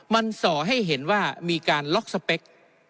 มันส่อให้เห็นว่ามีการล็อกสเปค